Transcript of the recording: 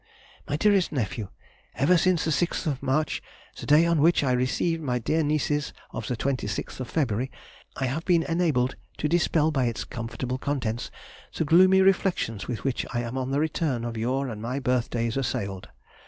MY DEAREST NEPHEW,— Ever since the 6th of March, the day on which I received my dear niece's of the 26th of February, I have been enabled to dispel by its comfortable contents the gloomy reflections with which I am on the return of your and my birthdays assailed.